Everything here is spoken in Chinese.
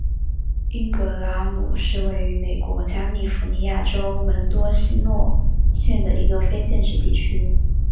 因格拉姆是位于美国加利福尼亚州门多西诺县的一个非建制地区。